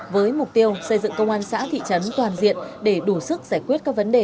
với mục tiêu xây dựng công an xã thị trấn toàn diện để đủ sức giải quyết các vấn đề